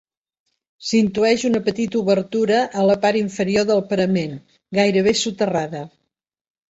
S'intueix una petita obertura a la part inferior del parament, gairebé soterrada.